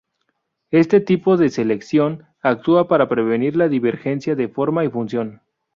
Este tipo de selección actúa para prevenir la divergencia de forma y función.